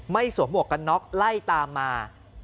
สวมหมวกกันน็อกไล่ตามมา